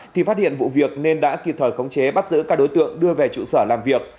thì phát hiện vụ việc nên đã kịp thời khống chế bắt giữ các đối tượng đưa về trụ sở làm việc